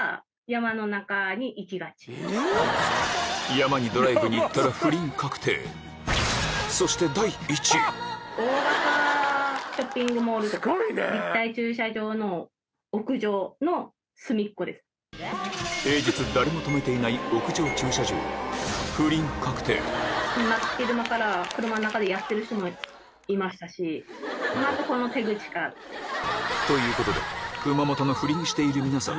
山にドライブに行ったら不倫確定平日誰も止めていないということで熊本の不倫している皆さん